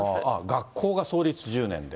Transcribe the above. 学校が創立１０年で。